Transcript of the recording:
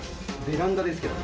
ベランダですけど。